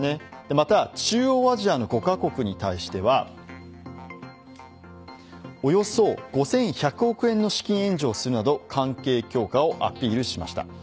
また、中央アジアの５カ国に対してはおよそ５１００億円の資金援助をするなど関係強化をアピールしました。